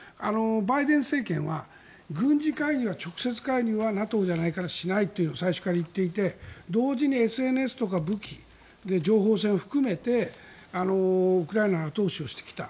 バイデン政権は軍事介入は直接介入はＮＡＴＯじゃないからしないと最初から言っていて同時にＳＮＳとか武器情報戦を含めてウクライナに投資してきた。